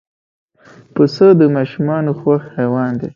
پسه د ماشومانو خوښ حیوان دی.